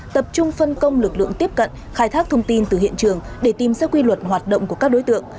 tập trung phân công lực lượng tiếp cận khai thác thông tin từ hiện trường để tìm ra quy luật hoạt động của các đối tượng